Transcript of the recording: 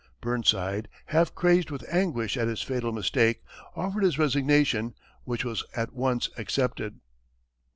Burnside, half crazed with anguish at his fatal mistake, offered his resignation, which was at once accepted.